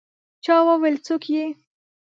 چا وویل: «څوک يې؟»